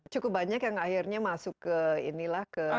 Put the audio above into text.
cukup banyak yang akhirnya masuk ke keputusan hakim